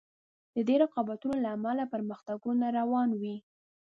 د دې رقابتونو له امله پرمختګونه روان وي.